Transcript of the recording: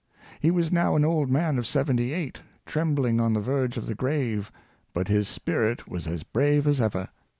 He was now an old man of seventy eight, trembling on the verge of the grave, but his spirit was as brave as ever.